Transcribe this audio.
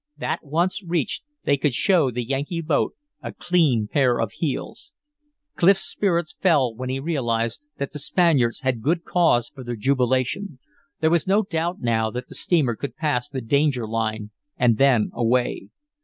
That once reached they could show the Yankee boat a clean pair of heels. Clif's spirits fell when he realized that the Spaniards had good cause for their jubilation. There was no doubt now that the steamer could pass the danger line and then away.